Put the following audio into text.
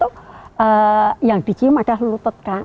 untuk yang dicium adalah lutut kanan